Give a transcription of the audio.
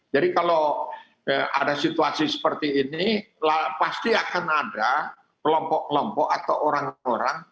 jadi kalau ada situasi seperti ini pasti akan ada kelompok kelompok atau orang orang